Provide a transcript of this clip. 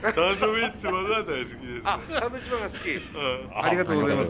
ありがとうございます。